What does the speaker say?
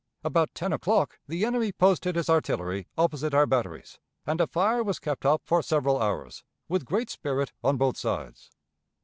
About ten o'clock the enemy posted his artillery opposite our batteries, and a fire was kept up for several hours, with great spirit on both sides.